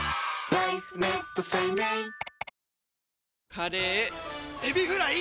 カレーエビフライ！